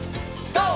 ＧＯ！